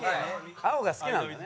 青が好きなんだね。